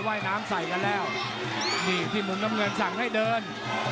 ว่ายน้ำใส่กันแล้วนี่ที่มุมน้ำเงินสั่งให้เดิน